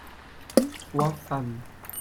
trois femmes.